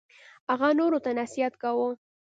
هغه نورو ته نصیحت کاوه.